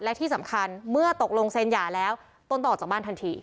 และที่สำคัญเมื่อตกลงเซ็นหย่าแล้วต้นต้องออกจากบ้านทันที